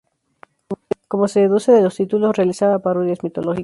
Como se deduce de los títulos, realizaba parodias mitológicas.